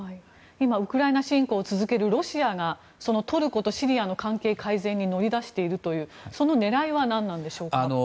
今、ウクライナ侵攻を続けるロシアがトルコとシリアの関係改善に動いているその狙いは何なのでしょうか。